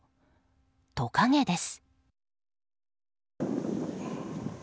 トカゲです。